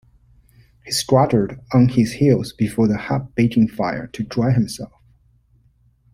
He squatted on his heels before the hot baking-fire to dry himself.